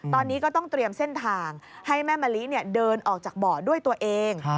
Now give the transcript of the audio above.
ตอนนี้ก็ต้องเตรียมเส้นทางให้แม่มะลิเดินออกจากบ่อด้วยตัวเอง